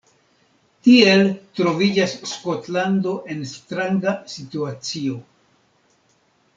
Tiel troviĝas Skotlando en stranga situacio.